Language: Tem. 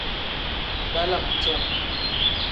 Dalam cem.